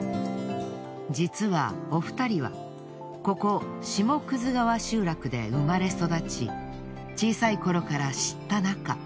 実はお二人はここ下葛川集落で生まれ育ち小さいころから知った仲。